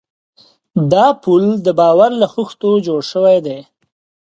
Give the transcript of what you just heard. دا پُل د باور له خښتو جوړ شوی دی.